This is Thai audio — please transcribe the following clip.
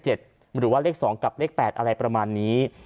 หรือว่าเลข๒กับเลข๘อะไรประมาณนี้